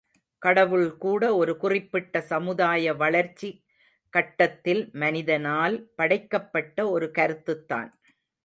கடவுள் கூட ஒரு குறிப்பிட்ட சமுதாய வளர்ச்சி கட்டத்தில் மனிதனால் படைக்கப்பட்ட ஒரு கருத்துத்தான்.